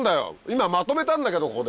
今まとめたんだけどここで。